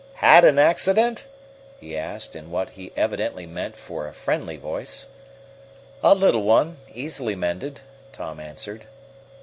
"Had an accident?" he asked, in what he evidently meant for a friendly voice. "A little one, easily mended," Tom answered.